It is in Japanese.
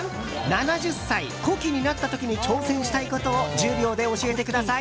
７０歳、古希になった時に挑戦したいことを１０秒で教えてください。